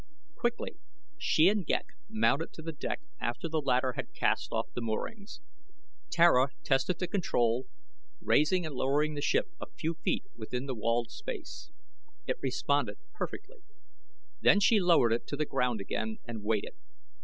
Quickly she and Ghek mounted to the deck after the latter had cast off the moorings. Tara tested the control, raising and lowering the ship a few feet within the walled space. It responded perfectly. Then she lowered it to the ground again and waited.